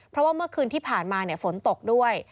เพราะว่าเมื่อคืนที่ผ่านมาฝนตกด้วย